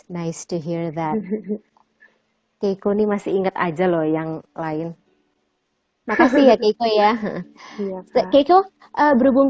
nice to head tan keiko nih masih inget aja loh yang lain makasih ya keiko ya keiko berhubung